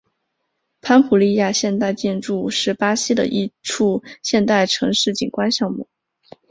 潘普利亚现代建筑是巴西的一处现代城市景观项目。